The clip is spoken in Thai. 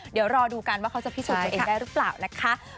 เดี๋ยวรอดูกันว่าเขาจะพิสูจน์ตัวเองได้หรือเปล่านะคะ